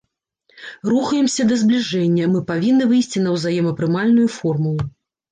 Рухаемся да збліжэння, мы павінны выйсці на ўзаемапрымальную формулу.